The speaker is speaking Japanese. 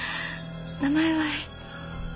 名前はえっと。